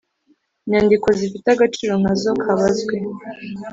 Nyandiko zifite agaciro nka zo kabazwe